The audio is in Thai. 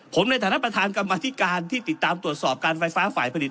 ผมในฐานะประธานกรรมธิการที่ติดตามตรวจสอบการไฟฟ้าฝ่ายผลิต